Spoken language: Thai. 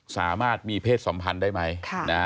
สามารถมีเพศสัมพันธ์ได้ไหม